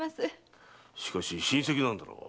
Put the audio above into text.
しかし親戚だろう？